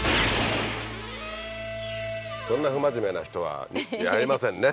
そんな不真面目な人はやれませんね。